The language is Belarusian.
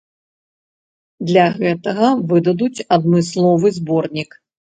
Для гэтага выдадуць адмысловы зборнік.